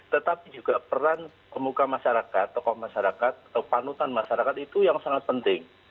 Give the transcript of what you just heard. tetapi juga peran pemuka masyarakat tokoh masyarakat atau panutan masyarakat itu yang sangat penting